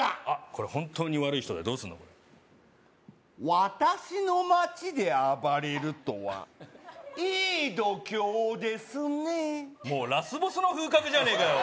これ本当に悪い人だよどうすんの私の町で暴れるとはいい度胸ですねもうラスボスの風格じゃねえかよ